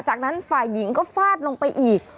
จากนั้นฝ่ายหญิงก็ฟาดลงไปอีก